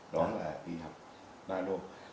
đó là y học nano